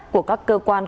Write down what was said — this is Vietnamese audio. của các cơ quan